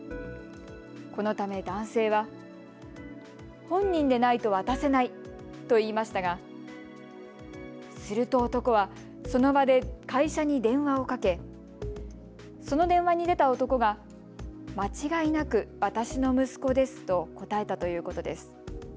このため男性は本人でないと渡せないと言いましたがすると男はその場で会社に電話をかけその電話に出た男が間違いなく私の息子ですと答えたということです。